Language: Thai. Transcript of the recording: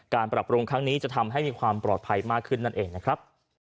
การปรับปรุงครั้งนี้จะทำให้มีความปลอดภัยมากขึ้นนั่นเองนะครับ